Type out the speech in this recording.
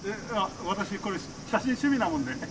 私これ写真趣味なもんで。